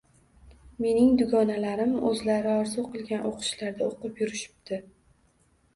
Mening dugonalarim o`zlari orzu qilgan o`qishlarda o`qib yurishibdi